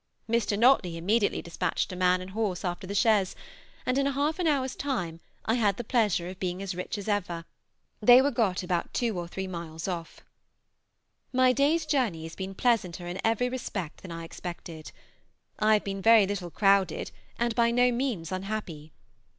Mr. Nottley immediately despatched a man and horse after the chaise, and in half an hour's time I had the pleasure of being as rich as ever; they were got about two or three miles off. My day's journey has been pleasanter in every respect than I expected. I have been very little crowded and by no means unhappy.